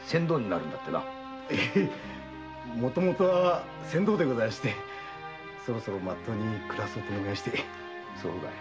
もともとは船頭でござんしてそろそろまっとうに暮らそうと思いまして。